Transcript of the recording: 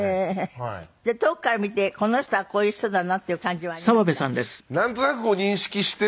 じゃあ遠くから見てこの人はこういう人だなっていう感じはありました？